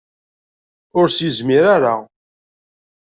Ur s-yezmir ara.